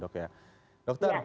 dokter banyak orang juga